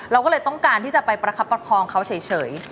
เราก็เลยต้องการที่จะไปประคับประคองเขาเฉย